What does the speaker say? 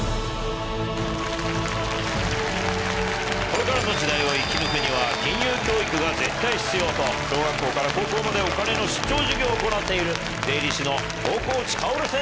これからの時代を生き抜くには金融教育が絶対必要と小学校から高校までお金の出張授業を行っている税理士の大河内薫先生です。